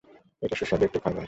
এটা সুস্বাদু একটা খাবার।